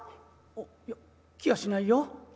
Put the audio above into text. あっいや来やしないよ」。